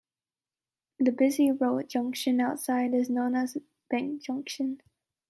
The busy road junction outside is known as Bank junction.